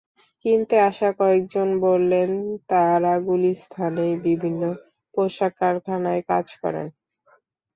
কিনতে আসা কয়েকজন বললেন, তাঁরা গুলিস্তানেই বিভিন্ন পোশাক কারখানায় কাজ করেন।